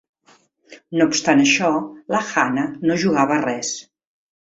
No obstant això, la Hanna no jugava a res.